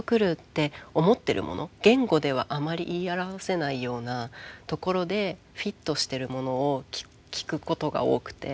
言語ではあまり言い表せないようなところでフィットしてるものを聞くことが多くて。